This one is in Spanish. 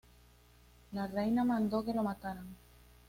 La reina mandó que lo mataran.